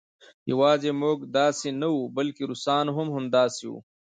یوازې موږ داسې نه وو بلکې روسان هم همداسې وو